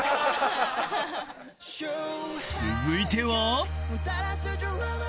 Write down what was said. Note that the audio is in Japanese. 続いては